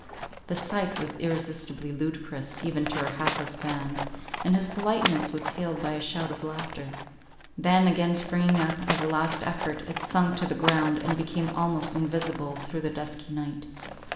The sight was irresistibly ludicrous even to our hapless band, and his politeness was hailed by a shout of laughter;—then, again springing up, as a last effort, it sunk to the ground, and became almost invisible through the dusky night.